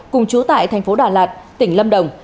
cùng chú tại thành phố đà lạt tỉnh lâm đồng